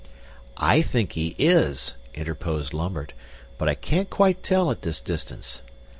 "I think he IS," interposed Lambert, "but I can't quite tell at this distance."